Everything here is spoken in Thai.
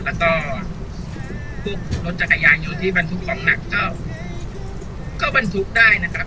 แล้วก็รถจักรยายโยนที่บันทุกของหนักก็บันทุกได้นะครับ